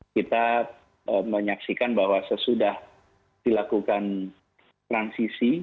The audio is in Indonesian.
kita menyaksikan bahwa sesudah dilakukan transisi